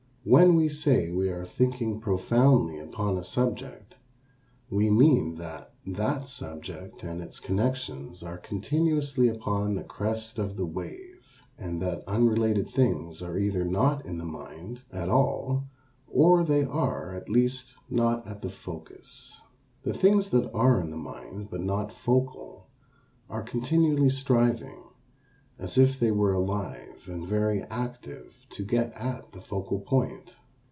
When we say we are thinking profoundly upon a subject we mean that that subject and its connections are continuously upon the crest of the wave, and that unrelated things are either not in the mind at all or they are at least not at the focus. The things that are in the mind but not focal are continually striving, as if they were alive and very active to get at the focal point.